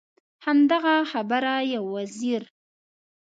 همدغه خبره یو وزیر.